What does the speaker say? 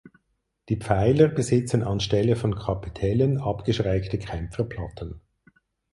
Die Pfeiler besitzen anstelle von Kapitellen abgeschrägte Kämpferplatten.